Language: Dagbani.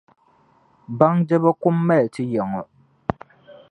Baŋdiba kum mali ti yaŋɔ.